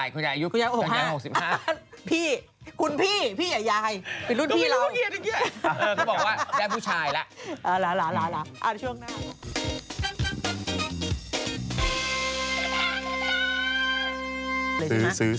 ขอขอวันเกิดลูกเด็กหนึ่งได้ไหมครับ